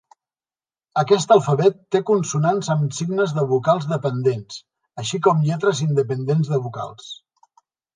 Aquest alfabet té consonants amb signes de vocals dependents, així com lletres independents de vocals.